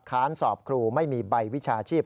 ค้านสอบครูไม่มีใบวิชาชีพ